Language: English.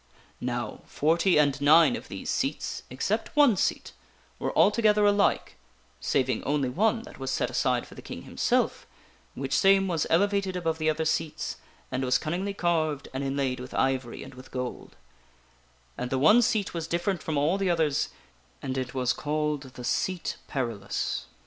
" Now, forty and nine of these seats, except one seat, were altogether alike (saving only one that was set aside for the King himself, which same was elevated above the other seats, and was cunningly carved and inlaid with ivory and with gold), and the one seat was different from all the others, and it was called the SEAT PERILOUS.